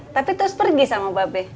tapi terus pergi sama babe